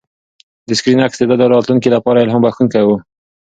د سکرین عکس د ده د راتلونکي لپاره الهام بښونکی و.